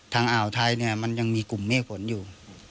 อ่าวไทยเนี่ยมันยังมีกลุ่มเมฆฝนอยู่